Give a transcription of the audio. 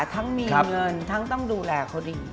ทั้งมีเงินทั้งต้องดูแลเขาดี